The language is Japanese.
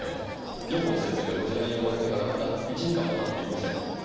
蓬城先生がこちらに呼ばれてからまだ１時間も経っていません。